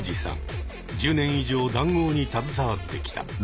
１０年以上談合に携わってきた。